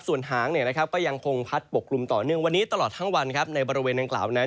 ส่วนหางก็ยังคงพัดปกกลุ่มต่อเนื่องวันนี้ตลอดทั้งวันในบริเวณดังกล่าวนั้น